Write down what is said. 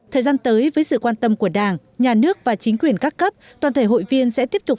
thời gian tới với sự quan tâm của đảng nhà nước và chính quyền các cấp toàn thể hội viên sẽ tiếp tục